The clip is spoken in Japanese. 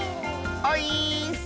オイーッス！